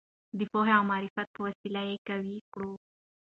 د پوهې او معرفت په وسیله یې قوي کړو.